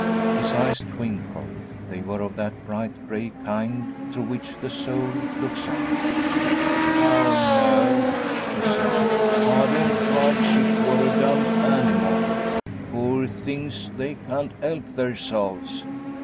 His eyes twinkled; they were of that bright gray kind through which the soul looks out. 'Aw, no!' he said. 'Ah, don't grudge it vur a dumb animal. Poor things they can't 'elp theirzelves.